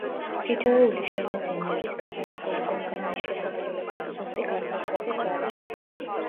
თითოეული შენაძენი არის განსაზღვრული კომპანიის შესასრულებლად, ზუსტი განსაზღვრების გარეშე.